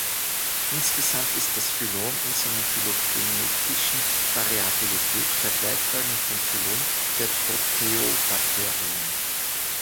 Insgesamt ist das Phylum in seiner phylogenetischen Variabilität vergleichbar mit dem Phylum der Proteobakterien.